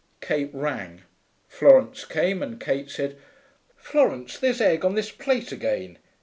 Kate rang. Florence came and Kate said, 'Florence, there's egg on this plate again.